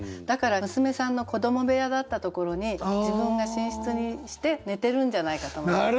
だから娘さんの子ども部屋だったところに自分が寝室にして寝てるんじゃないかと思ったんです。